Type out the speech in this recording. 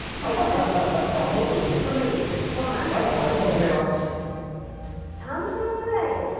もっと煮詰めるってことですか。